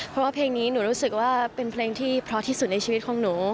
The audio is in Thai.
เพราะว่าเพลงนี้หนูรู้สึกว่าเป็นเพลงที่เพราะที่สุดในชีวิตของหนู